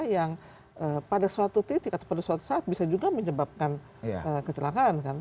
yang pada suatu titik atau pada suatu saat bisa juga menyebabkan kecelakaan kan